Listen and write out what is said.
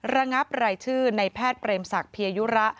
ระงับรายชื่อในแพทย์เปรมศักดิยยุระ